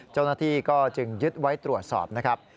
เจ้าหน้าที่ก็จึงยึดไว้ตรวจสอบนะครับ